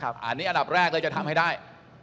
อันนี้อันดับแรกเลยจะทำให้ได้